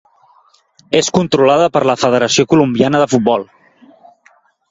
És controlada per la Federació Colombiana de Futbol.